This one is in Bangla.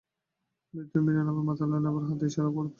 বৃদ্ধ মিরান আবার মাথা নাড়লেন, আবার হাত ইশারা করে পাশে বসতে বললেন।